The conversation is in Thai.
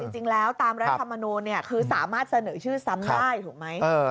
จริงแล้วตามรัฐมนูลคือสามารถเสนอชื่อซ้ำได้ถูกไหม